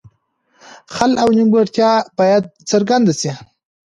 خل او نیمګړتیاوې باید څرګندې شي.